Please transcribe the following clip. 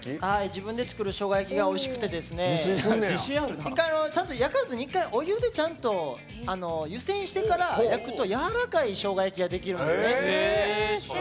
自分で作るしょうが焼きがおいしくてですね一回、ちゃんと焼かずにお湯で湯せんしてから焼くとやわらかいしょうが焼きができるんですね。